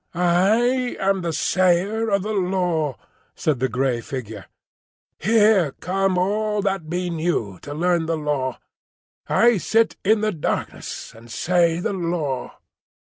"I am the Sayer of the Law," said the grey figure. "Here come all that be new to learn the Law. I sit in the darkness and say the Law."